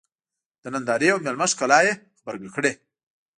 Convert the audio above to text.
د نندارې او مېلمه ښکلا یې غبرګه کړې.